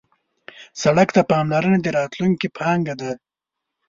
سړک ته پاملرنه د راتلونکي پانګه ده.